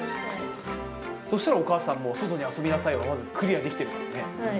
そしたら、お母さんの、外で遊びなさいはまずクリアできてるもんね。